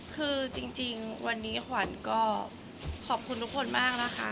คือจริงวันนี้ขวัญก็ขอบคุณทุกคนมากนะคะ